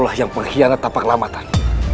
lah yang pengkhianat tapak lamatan